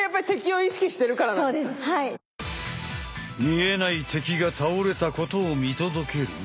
見えない敵が倒れたことを見届ける